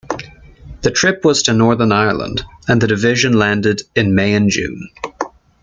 The trip was to Northern Ireland, and the division landed in May and June.